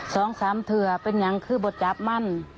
สองสามเถื่อเป็นอย่างคือบดจับมั่น